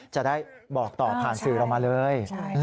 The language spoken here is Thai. จะได้บอกต่อผ่านสื่อเรามาเลย